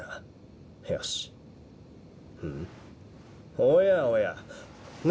おやおや内